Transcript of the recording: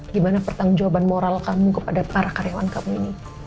gimana pertanggung jawaban moral kamu kepada para karyawan kamu ini